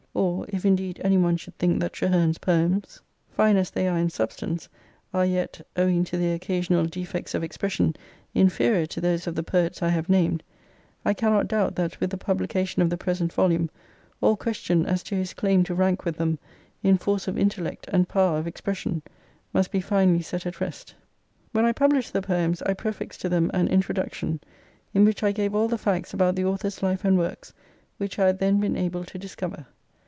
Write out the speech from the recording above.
Or, if indeed any one should think that Traherne's poems, fine as vii they are In substance, arc yet, owing to their occasional defects of expression, inferior to those of the poets I have named, I cannot doubt that with the publication of the present volume all question as to his claim to rank with them in force of intellect and power of expression must be finally set at rest. " When I published the poems I prefixed to them an introduction in which I gave all the facts about the author's life and works which I had then been able to discover.